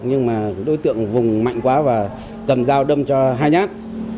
nhưng mà đối tượng vùng mạnh quá và cầm dao đâm cho hai nhát